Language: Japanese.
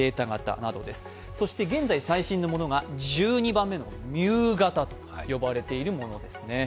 現在、最新のものが１２番目のミュー株と呼ばれているものです。